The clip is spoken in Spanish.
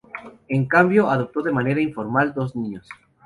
En cambio, adoptó, de manera informal, dos niños.